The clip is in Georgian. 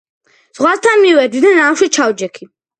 ზღვასთან მივედი და ნავში ჩავჯექი.